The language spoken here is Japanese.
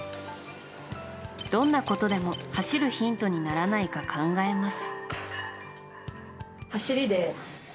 どんなことでも走るヒントにならないか考えます。